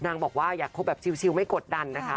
นางบอกว่าอยากคบแบบชิลไม่กดดันนะคะ